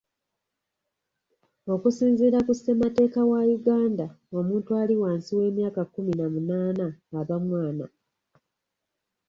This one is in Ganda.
Okusinziira ku ssemateeka wa Uganda, omuntu ali wansi w'emyaka kkumi n'amunaana aba mwana.